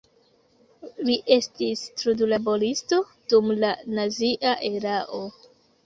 Li estis trudlaboristo dum la nazia erao.